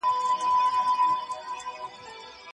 بهار عمر که دارد خزان ز پی حافظ